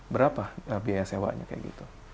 berapa biaya sewanya kayak gitu